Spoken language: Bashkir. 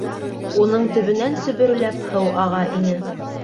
Уның төбөнән сөбөрләп һыу аға ине.